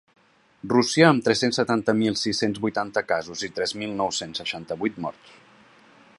Rússia, amb tres-cents setanta mil sis-cents vuitanta casos i tres mil nou-cents seixanta-vuit morts.